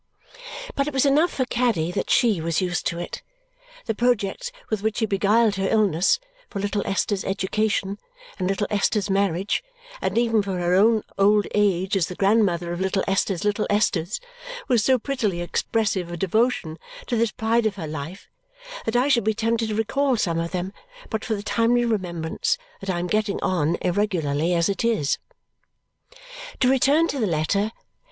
But it was enough for Caddy that SHE was used to it. The projects with which she beguiled her illness, for little Esther's education, and little Esther's marriage, and even for her own old age as the grandmother of little Esther's little Esthers, was so prettily expressive of devotion to this pride of her life that I should be tempted to recall some of them but for the timely remembrance that I am getting on irregularly as it is. To return to the letter.